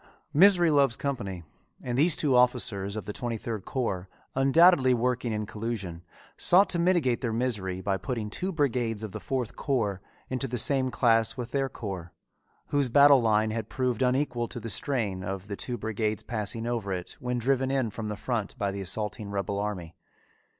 "Misery loves company," and these two officers of the twenty third corps, undoubtedly working in collusion, sought to mitigate their misery by putting two brigades of the fourth corps into the same class with their corps, whose battle line had proved unequal to the strain of the two brigades passing over it when driven in from the front by the assaulting rebel army.